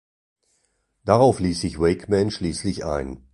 Darauf ließ sich Wakeman schließlich ein.